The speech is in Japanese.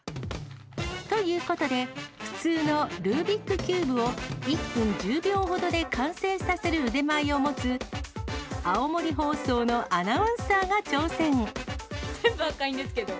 ということで、普通のルービックキューブを１分１０秒ほどで完成させる腕前を持つ、全部赤いんですけど。